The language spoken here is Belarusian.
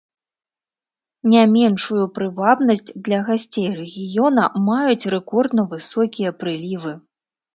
Не меншую прывабнасць для гасцей рэгіёна маюць рэкордна высокія прылівы.